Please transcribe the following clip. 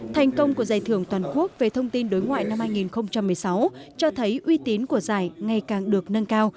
thành công của giải thưởng toàn quốc về thông tin đối ngoại năm hai nghìn một mươi sáu cho thấy uy tín của giải ngày càng được nâng cao